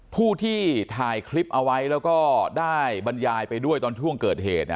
ผู้ที่ถ่ายคลิปเอาไว้แล้วก็ได้บรรยายไปด้วยตอนช่วงเกิดเหตุ